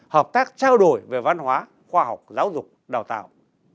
hợp tác trao đổi về văn hóa khoa học giáo dục đào tạo